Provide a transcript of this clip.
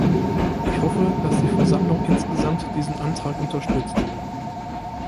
Ich hoffe, dass die Versammlung insgesamt diesen Antrag unterstützt.